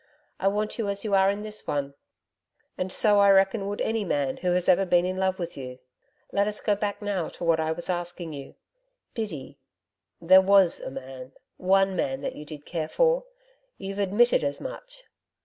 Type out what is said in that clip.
I want you as you are in this one. And so I reckon would any man who has ever been in love with you. Let us go back now to what I was asking you. Biddy, there WAS a man one man that you did care for? You've admitted as much.'